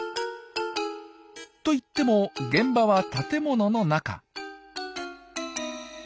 といっても現場は建物の中。